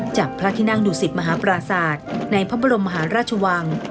พระที่นั่งดุสิตมหาปราศาสตร์ในพระบรมมหาราชวัง